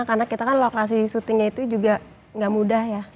karena kita kan lokasi syutingnya itu juga gak mudah ya